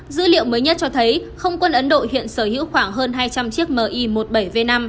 dữ liệu mới nhất cho thấy không quân ấn độ hiện sở hữu khoảng hơn hai trăm linh chiếc mi một mươi bảy v năm